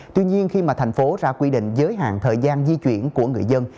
tuy nhiên khi mà tp hcm ra quy định giới hạn thời gian di chuyển của người dân